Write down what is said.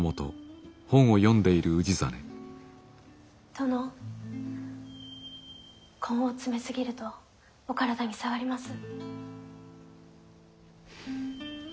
殿根を詰め過ぎるとお体に障ります。